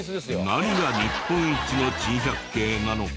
何が日本一の珍百景なのか？